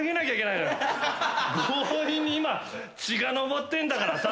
強引に今血が上ってんだからさ。